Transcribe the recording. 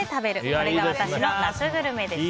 それが私の夏グルメでした。